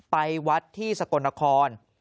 ไปวัดที่สกลนคร